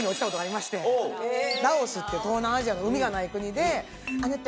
ラオスっていう東南アジアの海がない国で。